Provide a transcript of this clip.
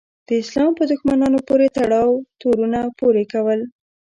د اسلام په دښمنانو پورې تړاو تورونه پورې کول.